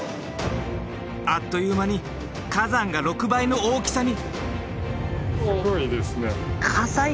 あっという間に火山が６倍の大きさに！